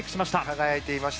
輝いていました。